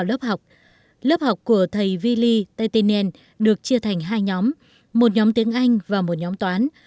lớp học của thầy vili taitinen được chia thành hai nhóm một nhóm tiếng anh và một nhóm toán